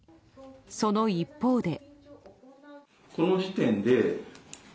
その一方で。